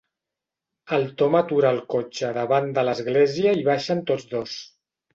El Tom atura el cotxe davant de l'església i baixen tots dos.